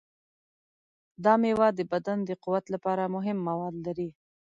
دا میوه د بدن د قوت لپاره مهم مواد لري.